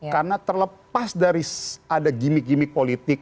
karena terlepas dari ada gimmick gimmick politik